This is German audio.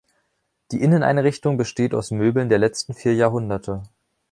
Die Inneneinrichtung besteht aus Möbeln der letzten vier Jahrhunderte.